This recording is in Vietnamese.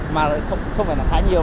mà không phải là khá nhiều